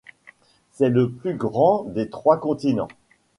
C'est le plus grand des trois continents.